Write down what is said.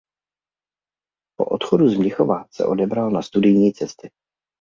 Po odchodu z Mnichova se odebral na studijní cesty.